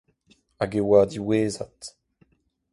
Hag e oa diwezhat.